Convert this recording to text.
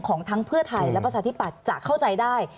ของทั้งเพื่อไทยและประชาธิปัตย์จะเข้าใจได้